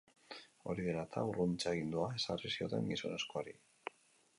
Hori dela eta, urruntze-agindua ezarri zioten gizonezkoari.